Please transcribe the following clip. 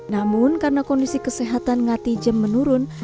namun karena kondisi kesehatan ngati jem menurun